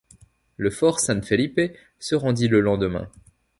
Le fort San Felipe se rendit le lendemain.